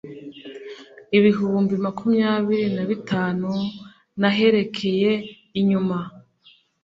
ibihumbi makumyabiri na bitanu n’aherekeye inyuma